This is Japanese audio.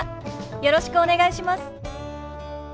よろしくお願いします。